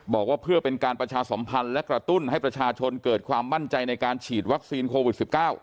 บอกว่าเพื่อเป็นการประชาสมพันธ์และกระตุ้นให้ประชาชนเกิดความมั่นใจในการฉีดวัคซีนโควิด๑๙